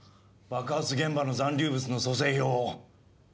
爆発現場の残留物の組成表を。